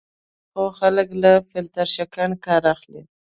خو خلک له فیلټر شکن کار اخلي.